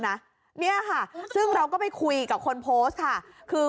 ไม่ไม่ไม่ไม่ไม่ไม่ไม่ไม่